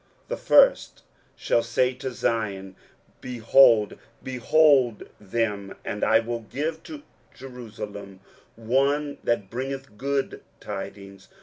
23:041:027 The first shall say to Zion, Behold, behold them: and I will give to Jerusalem one that bringeth good tidings.